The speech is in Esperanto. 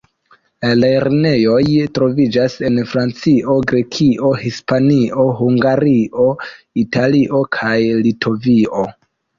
La lernejoj troviĝas en Francio, Grekio, Hispanio, Hungario, Italio kaj Litovio.